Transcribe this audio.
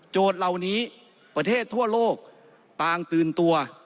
เหล่านี้ประเทศทั่วโลกต่างตื่นตัว